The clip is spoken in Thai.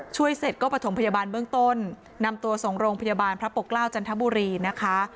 เสร็จก็ประถมพยาบาลเบื้องต้นนำตัวส่งโรงพยาบาลพระปกเกล้าจันทบุรีนะคะ